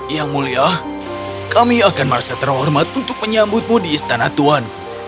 yang mulia kami akan merasa terhormat untuk menyambutmu di istana tuhan